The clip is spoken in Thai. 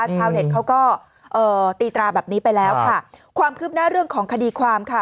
ชาวเน็ตเขาก็เอ่อตีตราแบบนี้ไปแล้วค่ะความคืบหน้าเรื่องของคดีความค่ะ